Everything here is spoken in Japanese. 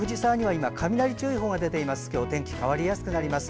今日天気変わりやすくなります。